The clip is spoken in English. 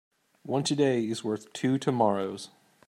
One today is worth two tomorrows.